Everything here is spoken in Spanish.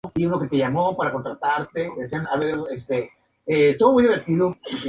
Willem Dafoe ha destacado en numerosas películas por interpretar a personajes de carácter.